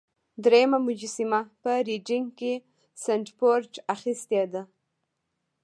دریمه مجسمه په ریډینګ کې سنډفورډ اخیستې ده.